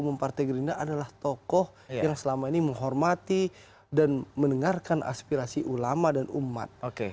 dan umum partai gerinda adalah tokoh yang selama ini menghormati dan mendengarkan aspirasi ulama dan umat